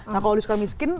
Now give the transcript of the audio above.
nah kalau di suka miskin